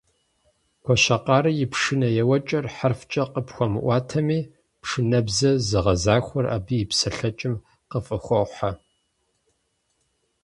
Гуащэкъарэ и пшынэ еуэкӀэр хьэрфкӀэ къыпхуэмыӀуатэми, пшынэбзэ зэгъэзэхуар абы и псэлъэкӀэм къыфӀыхохьэ.